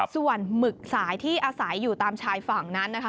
ส่วนหมึกสายที่อาศัยอยู่ตามชายฝั่งนั้นนะคะ